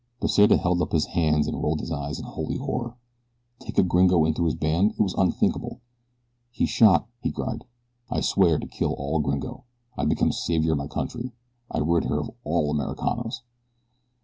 Pesita held up his hands and rolled his eyes in holy horror. Take a gringo into his band? It was unthinkable. "He shot," he cried. "I swear to kill all gringo. I become savior of my country. I rid her of all Americanos."